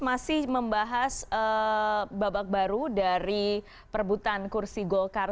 masih membahas babak baru dari perbutan kursi golkar satu